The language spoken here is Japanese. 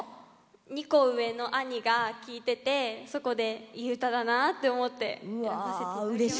２個上の兄が聴いててそこで、いい歌だなと思って選ばせていただきました。